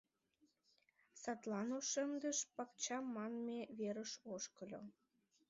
Садлан ошемдыш пакча манме верыш ошкыльо.